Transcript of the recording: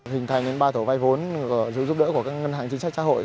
hình thành đến ba thổ vay vốn giúp đỡ của ngân hành chính sách xã hội